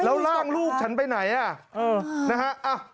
แล้วร่างลูกฉันไปไหนอ่ะนะฮะ